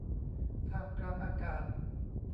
ท่ามกลางอากาศ